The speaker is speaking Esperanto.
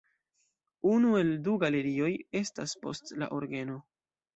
Unu el du galerioj estas post la orgeno.